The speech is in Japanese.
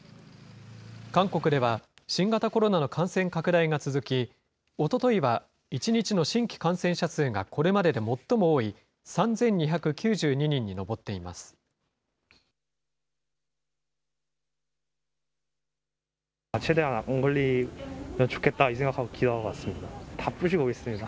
韓国では、新型コロナの感染拡大が続き、おとといは１日の新規感染者数がこれまでで最も多い、３２９２人に上っています。